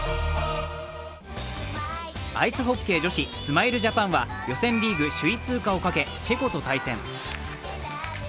アイスホッケー女子スマイルジャパンは予選リーグ首位通過をかけ、チェコと対戦。